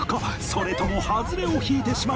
それともハズレを引いてしまうのか？